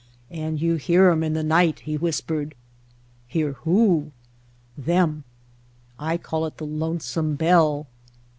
"And you hear 'em in the night," he whis pered. "Hear who?" "Them. I call it the Lonesome Bell."